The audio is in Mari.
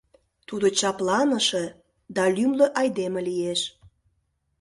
Тудо чапланыше да лӱмлӧ айдеме лиеш.